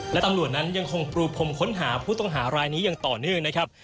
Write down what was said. และตำรวจนั้นยังคงปรูพรมค้นหาผู้ต้องหารายนี้อย่างต่อเนื่องนะครับ